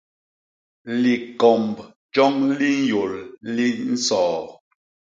Likomb joñ li nyôl li nsoo.